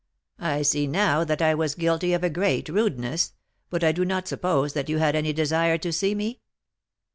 I see now that I was guilty of a great rudeness; but I do not suppose that you had any desire to see me?"